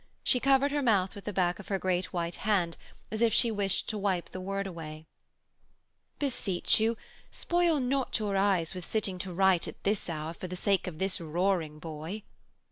She covered her mouth with the back of her great white hand as if she wished to wipe the word away. 'Beseech you, spoil not your eyes with sitting to write at this hour for the sake of this roaring boy.'